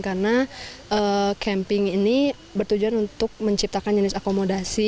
karena camping ini bertujuan untuk menciptakan jenis akomodasi